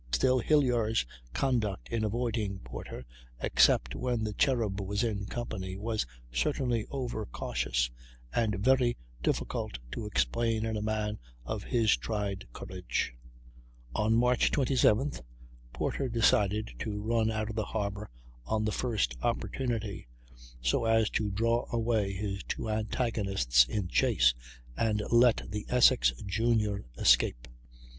Still, Hilyar's conduct in avoiding Porter except when the Cherub was in company was certainly over cautious, and very difficult to explain in a man of his tried courage. On March 27th Porter decided to run out of the harbor on the first opportunity, so as to draw away his two antagonists in chase, and let the Essex Junior escape.